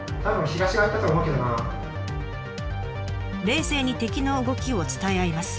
冷静に敵の動きを伝え合います。